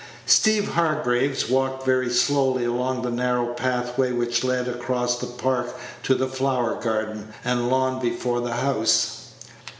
Steeve Hargraves walked very slowly along the narrow pathway which led across the Park to the flower garden and lawn before the house.